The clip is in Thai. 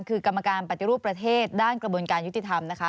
คือกรรมการปฏิรูปประเทศด้านกระบวนการยุติธรรมนะคะ